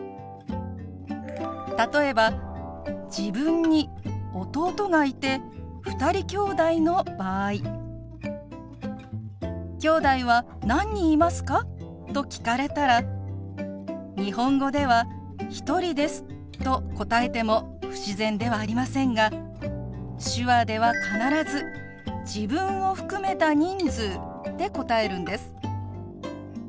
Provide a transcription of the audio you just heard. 例えば自分に弟がいて２人きょうだいの場合「きょうだいは何人いますか？」と聞かれたら日本語では「１人です」と答えても不自然ではありませんが手話では必ず自分を含めた人数で答えるんです。